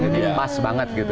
jadi pas banget gitu